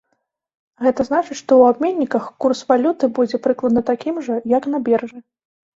Гэта значыць, што ў абменніках курс валюты будзе прыкладна такім жа, як на біржы.